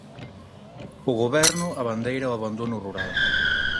O Goberno abandeira o abandono rural.